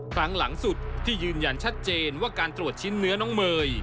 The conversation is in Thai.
ครั้งหลังสุดที่ยืนยันชัดเจนว่าการตรวจชิ้นเนื้อน้องเมย์